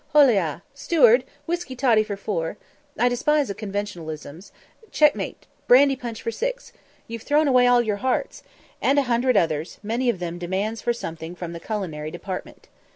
Holloa! steward, whisky toddy for four I totally despise conventionalisms Checkmate Brandy punch for six You've thrown away all your hearts" and a hundred others, many of them demands for something from the culinary department.